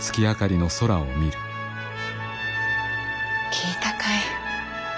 聞いたかい？